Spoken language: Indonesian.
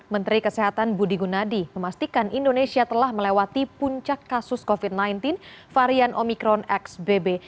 menteri kesehatan budi gunadi memastikan indonesia telah melewati puncak kasus covid sembilan belas varian omikron xbb